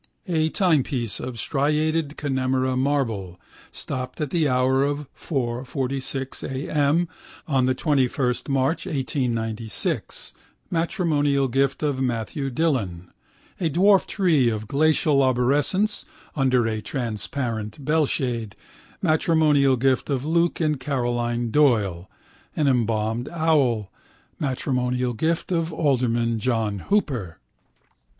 A timepiece of striated Connemara marble, stopped at the hour of 4.46 a.m. on the 21 March 1896, matrimonial gift of Matthew Dillon: a dwarf tree of glacial arborescence under a transparent bellshade, matrimonial gift of Luke and Caroline Doyle: an embalmed owl, matrimonial gift of Alderman John Hooper.